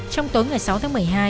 trong tối ngày sáu tháng một mươi hai